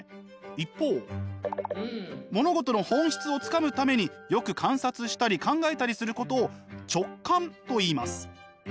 一方物事の本質をつかむためによく観察したり考えたりすることを直観といいます。